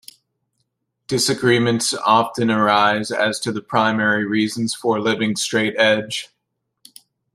Disagreements often arise as to the primary reasons for living straight edge.